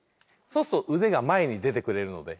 そうすると腕が前に出てくれるので。